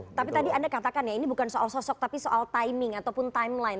oke tapi tadi anda katakan ya ini bukan soal sosok tapi soal timing ataupun timeline